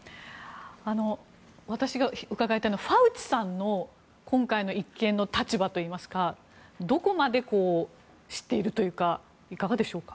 私が伺いたいのはファウチさんの今回の一件の立場といいますかどこまで知っているというかいかがでしょうか？